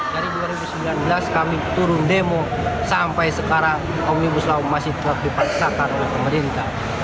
dari dua ribu sembilan belas kami turun demo sampai sekarang omnibus law masih tetap dipaksakan oleh pemerintah